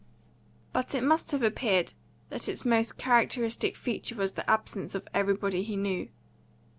But it must have appeared that its most characteristic feature was the absence of everybody he knew.